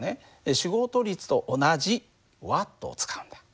仕事率と同じＷを使うんだ。